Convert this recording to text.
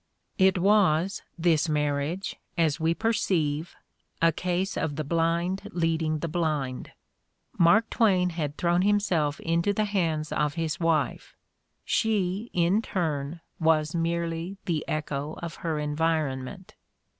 It was, this marriage, as we perceive, a case of the blind leading the blind. Mark Twain had thrown him self into the hands of his wife ; she, in turn, was merely the echo of her environment.